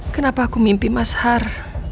kenapa aku mimpi mas har